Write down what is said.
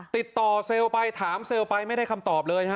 ติดต่อเซลไปถามเซลไปไม่ได้คำตอบเลยครับ